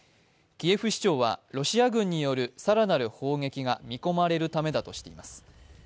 キエフ市長はロシア軍による更なる砲撃が見込まれるためだとしています。